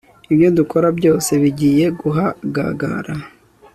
ibyo dukora byose bigiye guhagagara